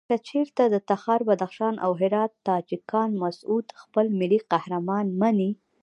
کچېرته د تخار، بدخشان او هرات تاجکان مسعود خپل ملي قهرمان مني.